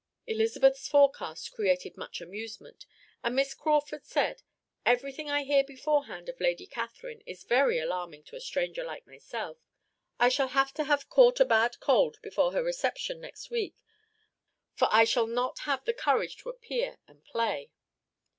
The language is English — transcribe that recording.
Elizabeth's forecast created much amusement, and Miss Crawford said: "Everything I hear beforehand of Lady Catherine is very alarming to a stranger like myself. I shall have to have caught a bad cold before her reception next week, for I shall not have the courage to appear and play."